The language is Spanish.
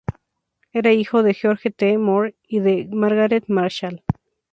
Era hijo de George T. Moore y de Margaret Marshall.